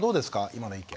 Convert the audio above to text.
今の意見。